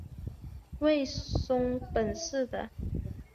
为松本市的。